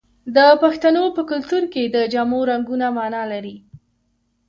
د پښتنو په کلتور کې د جامو رنګونه مانا لري.